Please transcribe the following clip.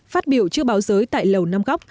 phát biểu trước báo giới tại lầu năm góc